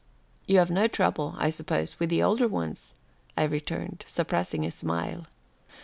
"You have no trouble, I suppose with the older ones," I returned, suppressing a smile.